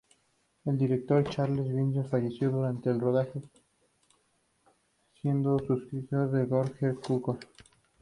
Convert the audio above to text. El director Charles Vidor falleció durante el rodaje, siendo sustituido por George Cukor.